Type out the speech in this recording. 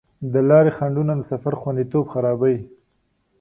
د لارې خنډونه د سفر خوندیتوب خرابوي.